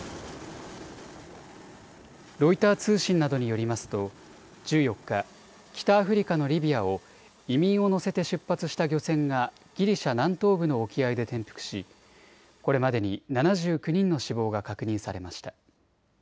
ロイター通信などによりますと１４日、北アフリカのリビアを移民を乗せて出発した漁船がギリシャ南東部の沖合で転覆しこれまでに７９人の死亡が確認されました。